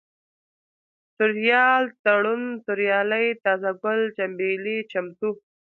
توريال ، تړون ، توريالی ، تازه گل ، چمبېلى ، چمتو